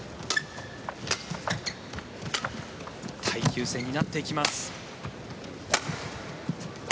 耐久戦になっていきます。